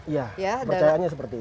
ya percayaannya seperti itu